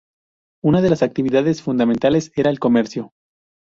Una de las actividades fundamentales era el comercio.